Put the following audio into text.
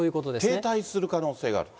停滞する可能性がある。